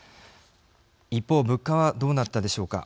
一方、物価はどうなったでしょうか。